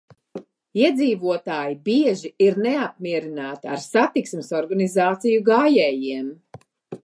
Iedzīvotāji bieži ir neapmierināti ar satiksmes organizāciju gājējiem.